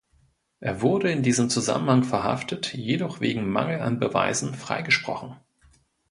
Er wurde in diesem Zusammenhang verhaftet, jedoch wegen Mangel an Beweisen freigesprochen.